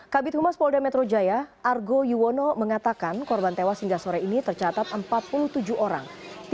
kabit humas polda metro jaya argo yuwono mengatakan korban tewas hingga sore ini tercatat empat puluh tujuh orang